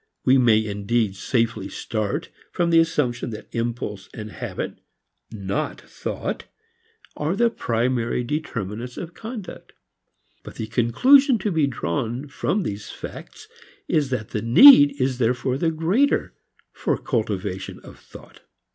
We may indeed safely start from the assumption that impulse and habit, not thought, are the primary determinants of conduct. But the conclusion to be drawn from these facts is that the need is therefore the greater for cultivation of thought.